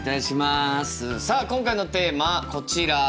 さあ今回のテーマはこちら。